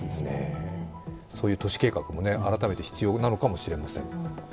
そういう都市計画も改めて必要なのかもしれません。